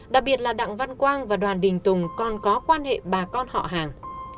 đặc biệt là đặng văn quang và đoàn đình tùng còn có quan hệ bà con họ hàng